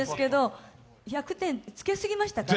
１００点つけすぎましたかね？